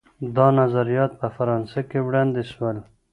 دا نظریات په فرانسه کي وړاندې سول.